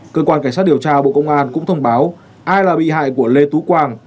cơ quan cảnh sát điều tra bộ công an cũng thông báo ai là bị hại của lê tú quang